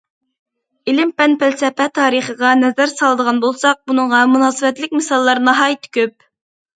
ئىلىم- پەن، پەلسەپە تارىخىغا نەزەر سالىدىغان بولساق، بۇنىڭغا مۇناسىۋەتلىك مىساللار ناھايىتى كۆپ.